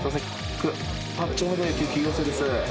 区８丁目で救急要請です。